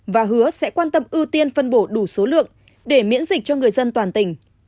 và hứa sẽ quan tâm ưu tiên phân bổ đủ số lượng để miễn dịch cho người dân toàn tỉnh